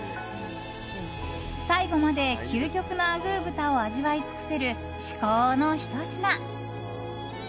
最後まで究極のあぐー豚を味わい尽くせる至高のひと品。